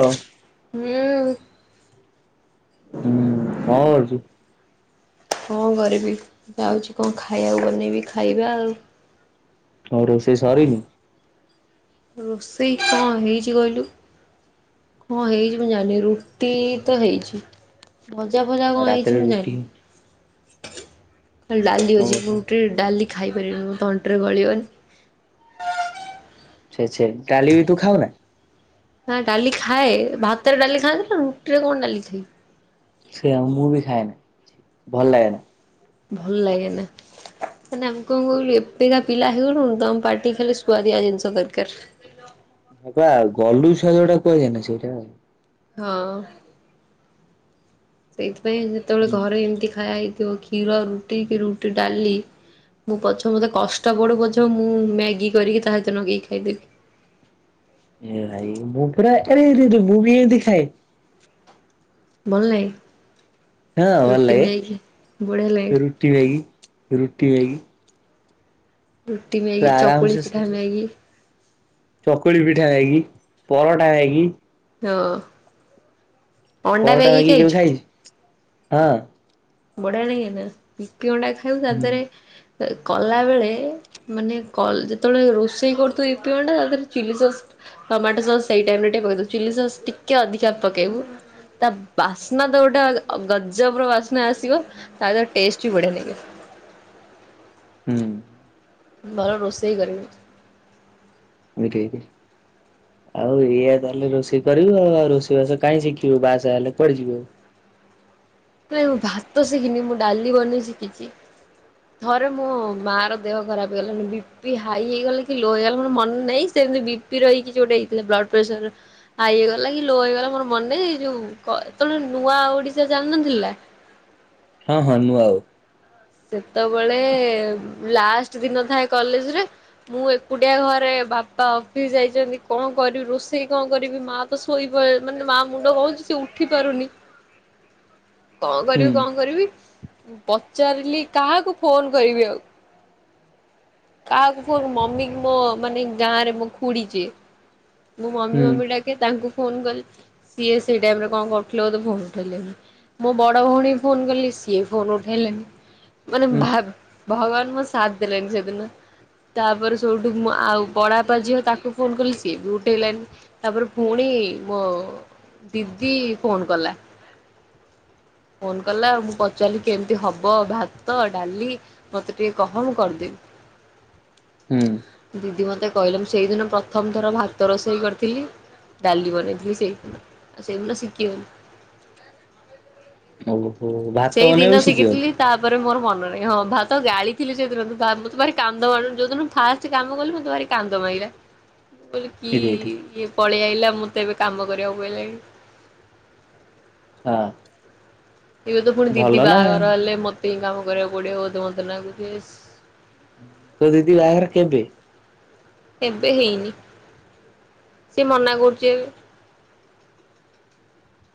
ହଁ। ହୁଁଉ। ହୁଁ କଣ କରୁଛୁ? କଣ କରିବି ଯାଉଛି କଣ ଖାଇଆକୁ ବନେଇବି ଖାଇବା ଆଉ। ଆଉ ରୋଷେଇ ସରିନି? ରୋଷେଇ କଣ ହେଇଛି କହିଲୁ? କଣ ହେଇଛି ମୁଁ ଜାଣିନି ରୁଟି ତ ହେଇଛି। ଭଜା ଫଜା ଆଉ କଣ ରାତିରେ ହେଇଛି ମୁଁ ରୁଟି ଜାଣିନି। ଖାଲି ଡାଲି ଅଛି ମୁଁ ଓହୋ ରୁଟିରେ ଡାଲି ଖାଇପାରିବିନି ମୁଁ ତଣ୍ଟିରେ ଗଳିବନି। ଛା ଛା ଡାଲି ବି ତୁ ଖାଉନା? ନା ଡାଲି ଖାଏ ଭାତରେ ଡାଲି ଖାଆନ୍ତି ନା ରୁଟିରେ କଣ ଡାଲି ଖାଇବିି। ସେୟା ମୁଁ ବି ଖାଏନା ଭଲ ଲାଗେନା। ଭଲ ଲାଗେ ନା। ମାନେ ଆମେ କଣ କହିଲୁ ଏବେକା ପିଲା ହେଇଗଲୁନୁ ତ ଆମ ପାଟି ଖାଲି ସୁୁଆଦିଆ ଜିନିଷ ଦରକାର। ହଁ ବା ଗଲୁ ସାଗଟା କୁହାଯାଏନା ସେଇଟା ଆଉ। ହଁ। ସେଇଥିପାଇଁ ଯେତେବେଳେ ଘରେ ଏମିତି ଖାଇବା ହେଇଥିବ କ୍ଷୀର ରୁଟି କି ରୁଟି ଡାଲି ମୁଁ ପଛେ ମତେ କଷ୍ଟ ପଡୁ ପଛେ ମୁଁ ମ୍ୟାଗି କରିକି ତା ସହିତ ନଗେଇ କି ଖାଇଦେବି। ଏ ଭାଇ ମୁଁ ପୁରା ଏରା ରେ ରେ ମୁଁ ବି ଏମତି ଖାଏ। ଭଲ ହଁ ଲାଗେ ଭଲ ରୁଟି ଲାଗେ ମେଗି ବଢିଆ ଲାଗେ। ରୁଟି ମାଗି ରୁଟି ମାଗି। ରୁଟି ମେଗି ଚକୁଳି ଆରାମସେ ପିଠା Maggi. Chakuli pitha Maggi paratha Maggi. ହଁ। ଅଣ୍ଡା ପରଟା ମ୍ୟାଗି ମାଗିକି କେବେ ଖାଇଛୁ? ଖାଇଚୁ ହଁ। ବଢିଆ ଲଗିବନା ୟିପୀ ଅଣ୍ଡା ଖାଇବୁ ତା ହୁଁ ଦେହରେ କଲା ବେଳେ ମାନେ ଯେତେବେଳେ ରୋଷେଇ କରୁଥିବୁ ୟୀପୀ ଅଣ୍ଡା ତା ଦେହରେ ଚିଲି ସସ୍ ଟମାଟୋ ସସ୍ ସେଇ ଟାଇମ ରେ ଟିକେ ପକେଇଦବୁ ଚିଲ୍ ସସ୍ ଟିକେ ଅଧିକା ପକେଇବୁ। ତା ବାସ୍ନା ତ ଗୋଟେ ଗଜବର ବାସ୍ନା ଆସିବ ତା ଟେଷ୍ଟ ବି ବଢିଆ ଲାଗିବ। ହୁଁ। ଭଲ ରୋଷେଇ କରିବେ। [unintelligible] ଆଉ ଏଇଆ ତାହେଲେ ରୋଷେଇ କରିବୁ ଆଉ ରୋଷେଇବାସ କାଇହିଁ ଶିଖିବୁ ବାହାସାହା ହେଲେ କୁଆଡେ ଯିବଆଉ। ନାଇଁ ମୁଁ ଭାତ ଶିଖିନି ମୁଁ ଡାଲି ବନେଇ ଶିଖିଛି। ଥରେ ମୋ ମା ର ଦେହ ଖରାପ ହେଇଗଲା ବି ବିପି ହାଇ ହେଇଗଲା କି ଲୋ ହେଇଗଲା ମୋର ମନ ନାହିଁ ସେମିତି ବିପି ରହିକି ଜୋଟା ହେଇଥିଲା ବ୍ଲଡ ପ୍ରେସର ହାଇ ହେଇଗଲା କି ଲୋ ହେଇଗଲା ମୋର ମନେ ନାଇ ଯୋଉ ଯେତେବେଳେ ନୂଆ ଓଡିଶା ଚାଲି ନଥିଲା ହଁ ହଁ ନୂଆ ଓ। ସେତବେଳେ ଲାଷ୍ଟ ଦିନ ଥାଏ କଲେଜରେ। ମୁଁ ଏକୁଟିଆ ଘରେ ବାପା ଅଫିସ ଯାଇଛନ୍ତି କଣ କରିବି ରୋଷେଇ କଣ କରିବି ମା ଶୋଇପ ମାନେ ମା ମୁଣ୍ଡ କ ହୋଉଛି ସେ ଉଠି ପାରୁନି। [inaudible] କଣ ହୁଁ କରିବି କଣ କରିବି ପଚାରିଲି କାହାକୁ ଫୋନ କରିବି ଆଉ। କାହାକୁ ଫୋନ୍ ମମି ମୋ ମାନେ ଗାଁ ରେ ମୋ ଖୁଡି ଯିଏ ମୁଁ ମମି ହୁଁ ମମି ଡାକେ ତାଙ୍କୁ ଫୋନ କଲି ସିଏ ସେଇ ଟାଇମ ରେ କଣ କରୁଥିଲେ ବୋଧେ ଫୋନ ଉଠେଲେନି। ମୋ ବଡ଼ ଭଉଣୀ ଫୋନ୍ କଲି ସିଏ ଫୋନ୍ ଉଠେଇଲାନି। ମାନେ ହୁଁ ଭା ଭଗବାନ ମୋ ସାଥ ଦେଲେଣିି ସେଦିନ। ତାପରେ ସଉଠୁ ମୁଁ ଆଉ ବଡ଼ାପା ଝିଅ ତାକୁ ଫୋନ କଲି ସିଏ ବି ଉଠେଇଲାନି। ତାପରେ ପୁଣି ମୋ ଦିଦି ଫୋନ କଲା। ଫୋନ କଲା ମୁଁ ପଚାରିଲି କେମିତି ହବ ଭା ତ ଡାଲି ମତେ ଟିକେ କହ ମୁଁ କରିଦେବି। ହୁଁ। ଦିଦି ମତେ କହିଲେ ମୁ ସେଇଦିନ ପ୍ରଥମ ଥର ଭାତ ରୋଷେଇ କରିଥିଲି। ଡାଲି ବନେଇଥିଲି ସେଇଦିନ ଆଉ ସେଇଦିନ ଶିଖିଗଲି। ଓହୋ ଭାତ ବନେଇବା ବି ଶିଖିଗଲୁ? ପରେ ମୋର ମନ ନାହିଁ ହଁ ଭାତ ଗାଳିିଥିଲି ସେ ଦିନ ତ ତାପରେ ଭାରି କାନ୍ଦ ମାଡିଲା ଯେଉଁଦିନ ଫା କିଛି କାମ କଲି ମୋତେ ଭାରି କାନ୍ଦ ମାଇଲା। [inaudible] କ କି ଏଇଠି ଏଇଠି ଇଏ ପଳେଇ ଆଇଲା ମୋତେ ଏବେ କାମ କରିବାକୁ ପଡ଼ିଲାଣି। ହଁ। ଏଇବେ ତ ପୁଣି ଭଲ ଦିଦି ନା ବାହାଘର ହେଲେ ମତେ ହିଁ କାମ କରିବାକୁ ପଡିବତ ମତେ ଲାଗୁଚି। ତୋର ଦିଦି ବାହାଘର କେବେ? ଏବେ ହେଇନି ସିଏ ମନା କରୁଛି ଏବେ।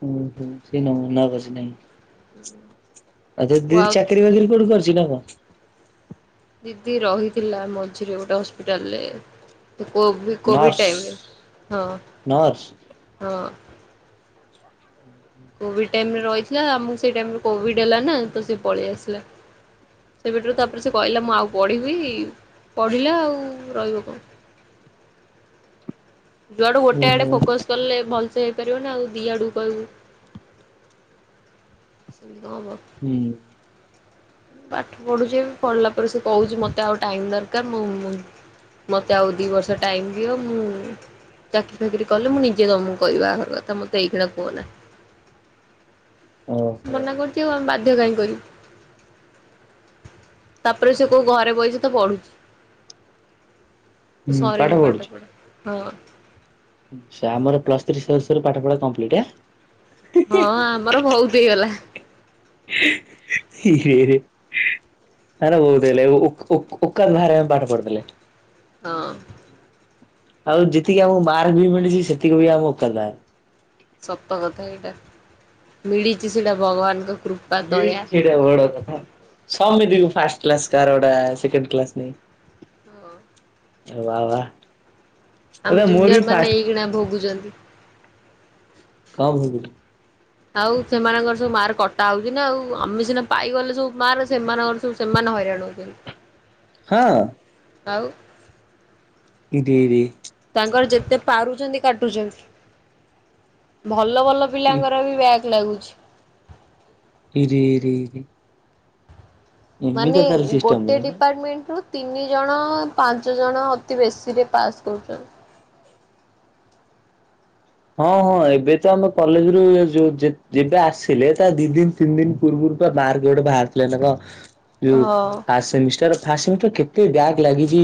ହୁ ହ ସେଇ ଏଇନେ ମନା କରୁଛି ନାଇଁ। ହୁଁ। ଆଉ ଦି ଚାକିରି ବାକିରି କୋଠି କରୁଚି ନା କଣ? ଦିଦି ରହିଥିଲା ମଝିରେ ଗୋଟେ ହସ୍ପିଟାଲରେ। କଭିିଡ ନର୍ସ ଟାଇମରେ ହଁ ନର୍ସ ହଁ। କୋଭିଡ ଟାଇରେ ରହିଥିଲା ଆମକୁ ସେ ଟାଇ କୋଭିଡ ହେଲା ନା ତ ସେ ପଳେଇ ଆସିଲା। ସେବେଠୁ ତାପରେ ସେ କହିଲା ମୁଁ ଆଉ ପଢ଼ିବି ପଢ଼ିଲା ଆଉ ରହିବ କଣ? ଯୁଆଡୁ ଗୋଟେ ଆଡେ ଓହୋ ଫୋକସ କଲେ ଭଲସେ ହେଇପାରିବ ନା ଆଉ ଦିଆଡକୁ ସୁବିଧା ବ ହୁଁ। ପାଠ ପଢୁଛେ ପଢ଼ିଲା ପରେ ସେ କହୁଛି ମତେ ଆଉ ଟାଇମ ଦରକାର ମୁଁ ମୋତେ ଆଉ ଦୁଇ ବର୍ଷ ଟାଇମ୍ ଦିଅ ମୁଁ ଚାକିରି ଫକିରି କଲେ ମୁଁ ନିଜେ ତମକୁ କହିବି ବାହାଘର କଥା ମୋତେ ଏଇ ଖଣା କୁହନା। ହଁ। ମନା କରୁଛି ଆଉ ବାଧ୍ୟ କାହିଁ କରିବି। ତାପରେ ସେ କୋଉ ଘରେ ବହିଛି ତ ପଢୁଛି। ହୁଁ ସରିନି ପଢୁଛୁ ପାଠ ପଢା ହଁ। ଆମର ପ୍ଲସ୍ ଥ୍ରୀ ସରୁ ସରୁ ପାଠ ପଢା କମ୍ପ୍ଟଲିଟି ନାଁ। ହଁ ଆମର ବହୁତ ହେଇଗଲା। [unintelligible] ନା ବହୁ ହେଇଲେ [unintelligible] ବାହାରେେ ପାଠ ପଢଦେଲେ। ହଁ। ଆଉ ଯେତିକି ଆମକୁ ମାର୍କ ବି ମିଳିଛି ସେତିକି ବି ଆମ କ ସତ କଥା ଏଇଟା ମିଳିଛି ସେଇଟା ଭଗବାନଙ୍କୁ ମିଳିଛି ଗୋଟେ ବଡ କଥା ସମସ୍ତି ଙ୍କୁ ଫାଷ୍ଟ କ୍ଲାସ କାହାର ସେକେଣ୍ଡ କ୍ଲାସ ନାହିଁ। ହଁ ବା ବା। ଏବେ ଆମ ମୋର ବି ଜୁନିୟର ଫାଷ୍ଟ ମାନେ ଏଇ କିିଣା ଭୋଗୁଛନ୍ତି। କଣ ଭୋଗୁ ଛୁ? ଆଉ ସେମାନଙ୍କର ସବୁ ମାର୍କ କଟା ହଉଛି ନା ଆଉ ଆମେ ସିନା ପାଇଗଲେ ସବୁ ମାର୍କ ସେମାନଙ୍କର ସେମାନେ ହଇରାଣ ହଉଛନ୍ତି। ହଁ। ଆଉ। [unintelligible] ତାଙ୍କର ଯେତେ ପାରୁଛନ୍ତି କାଟୁଛନ୍ତି ଭଲ ଭଲ ଇ ପିଲାଙ୍କର ବି ବ୍ୟାଗ୍ ଲାଗୁଛି। ରେରେଇ। ମାନେ ତାର ସିଷ୍ଟମ ଗୋଟେ ହେଇନି। ଡିପାର୍ଟମେଣ୍ଟ ରୁ ତିନି ଜଣ ପାଞ୍ଚ ଜଣ ଅତି ବେଶୀରେ ପାସ୍ କରୁଛନ୍ତି। ହଁ ହଁ ଏବେ ତ ଆମ କଲେଜ ରୁ ଯୋଉ ଯେବେ ଆସିଲେ ତା ଦି ଦିନ ତିନି ଦିନ ପୂର୍ବରୁ ପ ମା ର୍କ ଗୋଟେ ବାହାରିଥିଲେ ନା କଣ? ଯଉ ହଁ ଫା ସେମିଷ୍ଟର ଫା ସେମିଷ୍ଟର କେତେ ବ୍ୟାଗ ଲାଗିଚି?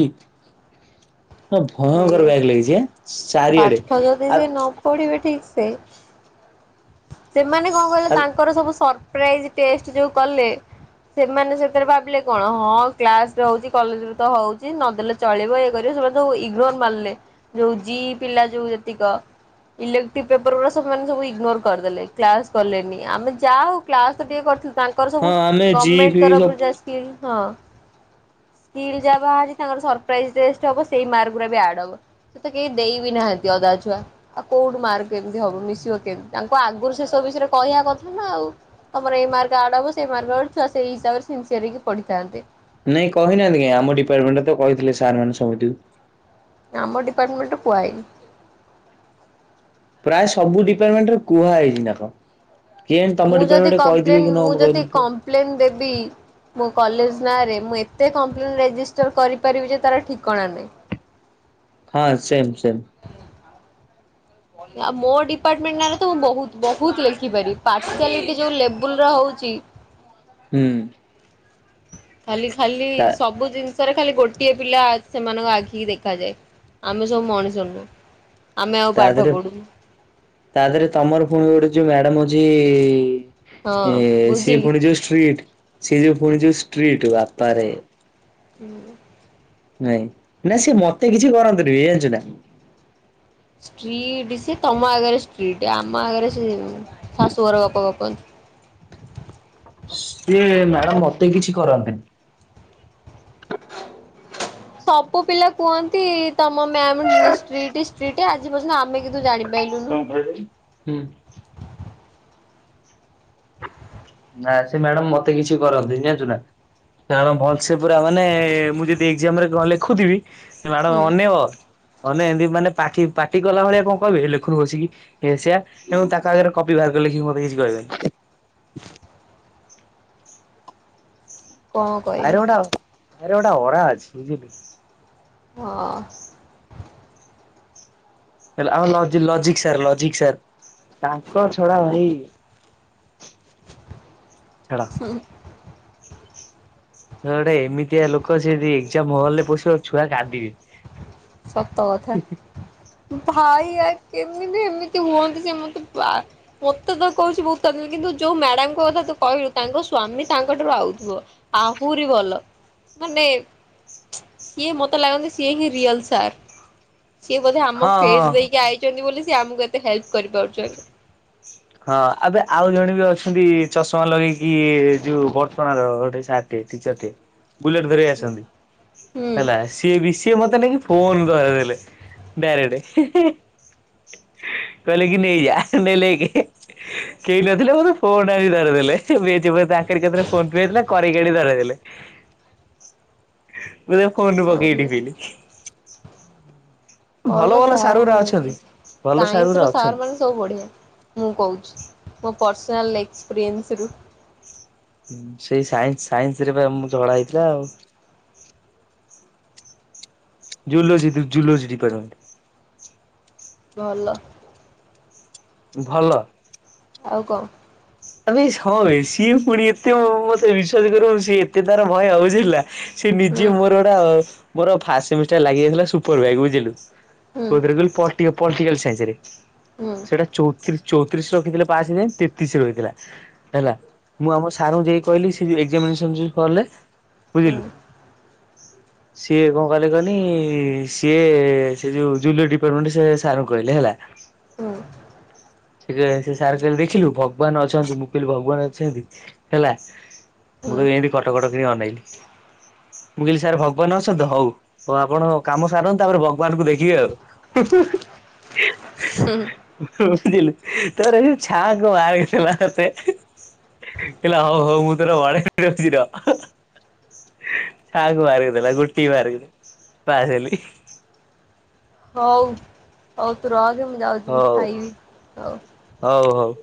ହ ଭୟଙ୍କର ସେଇଆ ବ୍ୟାଗ ଲାଗିଛି ଚାରିଆଡେ। ପାଠ ଯଦି ସେ ନ ପଢ଼ିବେ ଠିକ୍ ସେ ସେମାନେ କଣ କହିଲେ ଆ ତାଙ୍କର ସବୁ ପ୍ରାଇଜ ଟେଷ୍ଟ ଜୋ କଲେ ସେମାନେ ସେଥିରେ ଭାବିଲେ କଣ ହଁ କ୍ଲାସ ରେ ହେଉଛି କଲେଜ୍ ରେ ତ ହେଉଛି ନଦେଲେ। ଚଳିବ ଇଏ କରିବ ସେମାନେ ଯୋ ଇଗ୍ନୋର ମାରିଲେ ଯୋଉ ଜି ପିଲା ଯୋଉ ଯେତିକ। ଇଲେକ୍ଟଟିଭ୍ ପେପର ଗୁଡ଼ାକ ସେମାନେ ସବୁ ଇଗ୍ନୋର କରିଦଲେ କ୍ଲାସ କଲେନି ଆମେ ଯା ହଉ କ୍ଲାସ ତ ଟିକେ କରିଥିଲୁ। ତାଙ୍କର ହଁ ସବୁ ଆମେ ଜି ଗଭର୍ଣ୍ଣମେଣ୍ଟ୍ ଫି ତରଫରୁ ଯେ ସବୁ ସ୍କିଲ୍ ହଁ, ସ୍କିଲ୍ ଯାଭା ଅଛି, ତାଙ୍କର ସର୍ପ୍ରାଇଜ୍ ଟେଷ୍ଟ ହେବ ସେଇ ମାର୍କ ପୁରା ବି ଆଡ୍ ହବ। ସେ ତ କେହି ଦେଇ ବିି ନାହାନ୍ତି ଅଧା ଛୁଆ। ଆ କୋଉଠୁ ମାର୍କ କେମିତି ହବ ମିଶିବ କେମିତି, ତାଙ୍କୁ ଆଗରୁ ସେଷବୁ ବିଷୟରେ କହିବା କଥା ନା ଆଉ। ତମର ଏଇ ମାର୍କ ଆଡ୍ ହବ, ସେଇ ମାର୍କ ଆଡ୍ ସେଇ ହିସାବରେ ସିନ୍ ସିଅର୍ ହେଇକି ପଢ଼ିଥାନ୍ତେ। ନାଇଁ କହିନାହାନ୍ତି କାଇଁ, ଆମ ଡିପାର୍ଟମେଣ୍ଟରେ ତ କହିଥିଲେ ସାର୍ ମାନେ ସମସ୍ତଙ୍କୁ। ଆମ ଡିପାର୍ଟମେଣ୍ଟରେ କୁହା ହେଇନି। ପ୍ରାୟ ସବୁ ଡିପାର୍ଟମେଣ୍ଟରେ କୁହା ହେଇନି ନା କଣ। କିଏଜାଣି ତମ ଡିପାର୍ଟମେଣ୍ଟରେ କହିଥିବେ କି ନ କହିଥିବେ। ପ୍ଲେନ୍ ଦେବି। ମୋ କଲେଜ୍ ନାଁରେ, ମୁଁ ଏତେ କଂପ୍ଲେନ୍ ରେଜିଷ୍ଟର୍ କରିପାରିବି ଯେ ତାର ଠିକଣା ନାହିଁ। ହଁ ସେମ୍ ସେମ୍। ଆଉ ମୋ ଡିପାର୍ଟମେଣ୍ଟ ନାରେ ତ ମୁଁ ବୋହୁତ୍, ବୋହୁତ୍ ଲେଖିପାରିବି। ପର୍ଶିଆଲିଟି ଯୋଉ ଲେବୁଲ୍ ରେ ହୋଉଛି ହୁଁ। ଖାଲି ଖାଲି ତା ସବୁ ଜିନ୍ ତାର ଖାଲି ଗୋଟିଏ ପିଲା ସେମାନଙ୍କ ଆଖିକି ଦେଖାଯାଏ। ଆମେ ସବୁ ମଣିଷ ନୁହଁ। ଆମେ ଆଉ ତା ପାଠ ଦେହରେ, ପଢୁନୁ ତା ଦେହରେ ତମର ପୁଣି ଗୋଟେ ଯୋଉ ମ୍ୟାଡାମ୍ ଅଛି ହଁ ଏ ସିଏ ବୁଝିଲି। ପୁଣି ଯୋଉ ଷ୍ଟ୍ରିଟ୍, ସିଏ ଯୋଉ ପୁଣି ଯୋଉ ଷ୍ଟ୍ରିଟ୍ ବାପାରେ। ହୁଁ। ନାଇଁ। ନାଁ ସିଏ ମତେ କିଛି କରନ୍ତିନି, ଏ ଜାଣିଛୁ ନା। ଷ୍ଟ୍ରିଟ୍ ସେ ତମ ଆଗରେ ଷ୍ଟ୍ରିଟ୍, ଆମ ଆଗରେ ସେ ଶାଶୁଘର ଗପ ଗପନ୍ତି। ସିଏ ମ୍ୟାଡାମ୍ ମତେ କିଛି କରନ୍ତିନି। ସବୁ ପିଲା କୁହନ୍ତି ତମ ମ୍ୟାମ୍ ଷ୍ଟ୍ରିଟ୍ ଷ୍ଟ୍ରିଟ୍, ଆଜି ପର୍ଯ୍ୟନ୍ତ ଆମେ କିନ୍ତୁ ଜାଣିପରିନୁ। ହୁଁ। ନା ସେ ମ୍ୟାଡମ୍ ମତେ କିଛି କରନ୍ତିନି ଜାଣିଛୁ ନା। ଖେଳ ଭଲସେ ପୁରା ମାନେ, ମୁଁ ଯଦି ଏଗଜାମ୍ ରେ କଣ ଲେଖୁଥିବି ସେ ମ୍ୟାଡମ୍ ହୁଁ ଅନେଇବ। ଅନେଇବ ଏମିତି ମାନେ ପାଟି ପାଟି କଲା ଭଳିଆ କଣ କହିବେ ଲେଖୁନୁ ବସିକି। ଏ ସେଇଆ। ଏବଂ ତାଙ୍କ ଆଗରେ କପି ବାହାର କରି ଲେଖିବି ମତେ କିଛି କହିବେନି। କଣ କହିବି ଭାଇର ଓଟା, ଭାଇର ଗୋଟେ ଓରା ଅଛି ବୁଝିଲିଲୁ। ହଁ। ଆମ ଲଜି-ଲଜିକ୍ ସାର୍, ଲଜିକ୍ ସାର୍ ତାଙ୍କ ଛଡ଼ା ଭାଇ, ଛାଡ। ହୁଁ। ସିଏ ଗୋଟେ ଏମିତିଆ ଲୋକ ସେ ଜଦୀ ଏକଜାମ୍ ହଲ୍ ରେ ପଶିବ, ଛୁଆ କାନ୍ଦିବେ। ସତ କଥା। ଭାଇ ଏ କେମିତି ଏମିତି ହୁଅନ୍ତି ସେ ମତେ ପା ମତେ ତ କହୁଛି ବୋହୁତ୍, କିନ୍ତୁ ଯୋଉ ମ୍ୟାଡାମଙ୍କ କଥା ତୁ କହିଲୁ ତାଙ୍କ ସ୍ଵାମୀ ତାଙ୍କଠାରୁ ଆଉଥିବ। ଆହୁରି ଭଲ। ମାନେ ସିଏ ମତେ ଲାଗନ୍ତି ସିଏ ହିଁ ରିଅଲ୍। ସାର୍ ସିଏ ବୋଧେ ଆମ ହଁ ହଁ। ଫେଜ୍ ଦେଇକି ଆଇଛନ୍ତି ବୋଲି, ସିଏ ଆମକୁ ଏତେ ହେଲ୍ପ୍ କରିପାରୁଛନ୍ତି। ହଁ ଅବେ ଆଉ ଜଣେ ବି ଅଛନ୍ତି, ଚଷମା ଲଗେଇକି ଯୋଉ ବଡ଼ଚଣାର ଗୋଟେ ସାର୍। ଟିଚର୍ ଟେ, ବୁଲେଟ୍ ଧରି ଆସନ୍ତି ହୁଁ ହେଲା। ସିଏ ବି ସିଏ ମତେ ନେଇକି ଫୋନ୍ ଧରେଇଦେଲେ ଡାଇରେକ୍ଟ। ହି ହି କହିଲେ କି ନେଇୟା ନେଲେ କି କେହି ନଥିଲେ ମୋତେ ଫୋନ୍ ଆଣି ଧରେଇଦେଲେ। ବେଞ୍ଚ ଉପରେ ତାଙ୍କରି କତିରେ ଫୋନ ପେ ହେଇଥିଲା କରେଇକି ଆଣି ଧରଇଦେଲେ। ମୁଁ ତ ଫୋନରୁ ପକେଇ ବଢିଆ ଟିପିଲି। ଭଲ ସାର୍ ସାର ଗୁରା ଅଛନ୍ତି। ମିଳିଯାଉଛନ୍ତି ଭଲ ସାର୍ ସାଇନ୍ସ ଗୁରା ର ସାର ଅଛନ୍ତି। ମାନେ ସ ସବୁ ବଢ଼ିଆ ମୁଁ କହୁଛି ମୋ ପର୍ସନାଲ ଏକ୍ସପିରିଏନ୍ସରୁୁ। ସେଇ ସାଇନ୍ସ ସାଇନ୍ସ ରେ ପା ମୁଁ ଝଗଡା ହେଇଥିଲା ଆଉ। Zoology to zoology department. ଭଲ। ଭଲ। ଆଉ କଣ? ଆବେ ସ ହ ବେ ସିଏ ପୁଣି ଏତେ ମ ମ ମତେ ବିଶ୍ଵାସ କରିବୁ ସିଏ ଏତେ ତାର ଭୟ ବୁଝିଲୁ ନା। ସେ ହୁଁ ନିଜେ ମୋର ଗୋଟା ଅସ ମୋର ଫାଷ୍ଟ ସେମିଷ୍ଟର ଲାଗି ଯାଇଥିଲା ସୁପର ବ୍ୟାକ ବୁଝିଲୁ। ହୁଁ କୋଉଥିରେ କହିଲୁ ପଲ୍ଟିକା ପଲ୍ଟିକାଲ ସାଇନ୍ସରେ, ହୁଁ ସେଇଟା ଚଉତିରି ଚଉତିରିଶ ରଖିଥିଲେ ପାସ ହେଇଯାଏ ତେତିଶ ରହିଥିଲା। ହେଲା ମୁଁ ଆମ ସାରଙ୍କୁ ଯାଇ କହିଲି, ସେ ଯୋଉ ଏକ୍ସାମିନେସନ ଯୋଉ କଲେ। ହୁଁ ବୁଝିଲୁ। ସିଏ କଣ କଲେ କହନି, ସିଏ ସେ ଯୋଉ ଜୁଲୋଜି ଡିପାର୍ଟମେଣ୍ଟରେ ସେ ସାରଙ୍କୁ କହିଲେ ହେଲା। ହୁଁ। ଯେ ସେ ସାର କହିଲେ ଦେଖିଲୁ ଭଗବାନ ଅଛନ୍ତି, ମୁଁ କହିଲି ଭଗବାନ ଅଛନ୍ତି ହେଲା। ମୁଁ ହୁଁ ଖାଲି ଏମିତି କଟକଟ କିରି ଅନେଇଲି। ମୁଁ କହିଲି ସାର ଭଗବାନ ଅଛନ୍ତି ତ ହଉ ହଉ ଆପଣ କାମ ସାରନ୍ତୁ ତାପରେ ଭଗବାନଙ୍କୁ ଦେଖିବେ ଆଉ। [inaudible] ହୁଁ ହୁଁ। ବୁଝିଲୁ ତାପରେ ଇଏ ଛାଆଙ୍କୁ ମାର୍କ ଦେଲା ମତେ। କହିଲା ହଉ ହଉ ମୁଁ ତୋର [inaudible] ର। ଛାଁଆକୁ ମାର୍କ ଦେଲା ଗୋଟିଏ ମାର୍କ ପାସ ହେଲି। ହଉ ହଉ ତୁ ରଖେ ମୁଁ ଯାଉଚି ଯିବି ହଉ ଖାଇବି, ହଉ। ହଉ ହଉ।